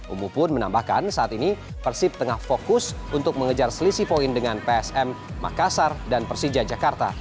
umu pun menambahkan saat ini persib tengah fokus untuk mengejar selisih poin dengan psm makassar dan persija jakarta